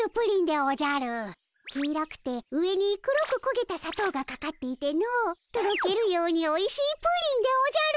黄色くて上に黒くこげたさとうがかかっていてのとろけるようにおいしいプリンでおじゃる！